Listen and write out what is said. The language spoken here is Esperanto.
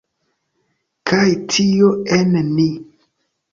Kaj tio en ni.